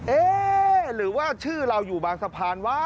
เอ๊ะหรือว่าชื่อเราอยู่บางสะพานวะ